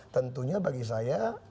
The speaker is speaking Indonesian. tentunya bagi saya